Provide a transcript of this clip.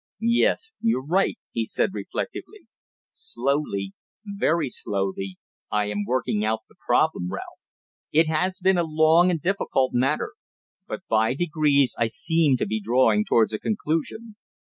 "Yes. You're right," he said reflectively. "Slowly very slowly, I am working out the problem, Ralph. It has been a long and difficult matter; but by degrees I seem to be drawing towards a conclusion.